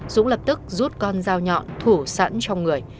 dũng lập tức rút con dao nhọn thủ sẵn trong người